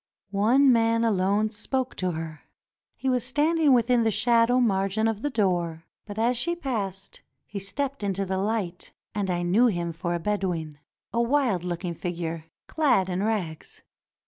One man alone spoke to her. He was standing within the shadow margin of the door, but as she passed he stepped into the light, and I knew him for a Bedouin — 361 NORTHERN AFRICA a wild looking figure clad in rags.